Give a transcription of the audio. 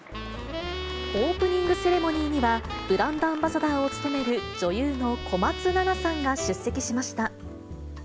オープニングセレモニーにはブランドアンバサダーを務める女優の小松菜奈さんが出席しました。